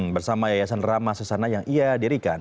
bersama yayasan ramah sesana yang ia dirikan